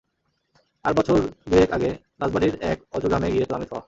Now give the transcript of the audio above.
আর বছর দুয়েক আগে রাজবাড়ীর এক অজগ্রামে গিয়ে তো আমি থ।